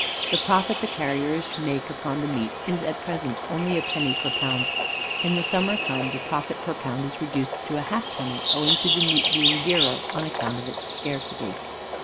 The profit the carriers make upon the meat is at present only a penny per pound. In the summer time the profit per pound is reduced to a halfpenny, owing to the meat being dearer, on account of its scarcity."